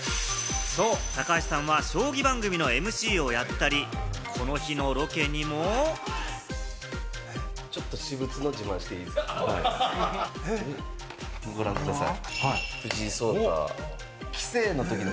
高橋さんは将棋番組のＭＣをやったり、この日のロケにも。ご覧ください。